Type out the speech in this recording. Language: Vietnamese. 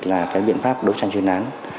là cái biện pháp đấu tranh chuyên án